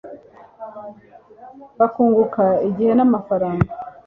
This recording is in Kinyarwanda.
bakunguka igihe na mafaranga.